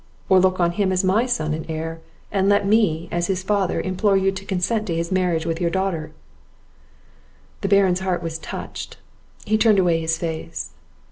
or look on him as my son and heir, and let me, as his father, implore you to consent to his marriage with your daughter." The Baron's heart was touched, he turned away his face.